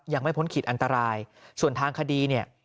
พ้นขีดอันตรายส่วนทางคดีเนี่ย